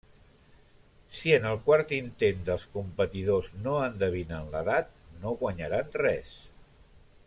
Si en el quart intent dels competidors no endevinen l'edat, no guanyaran res.